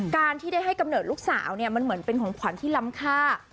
การที่ได้ให้กำเนิดลูกสาวเนี่ยมันเหมือนเป็นของขวัญที่ล้ำค่า